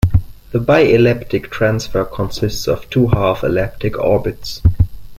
The bi-elliptic transfer consists of two half elliptic orbits.